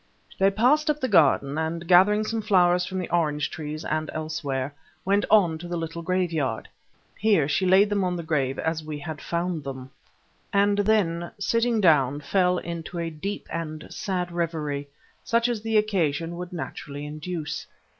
They passed up the garden, and gathering some flowers from the orange trees and elsewhere, went on to the little graveyard. Here she laid them on the grave as we had found them, and then sitting down, fell into a deep and sad reverie, such as the occasion would naturally induce.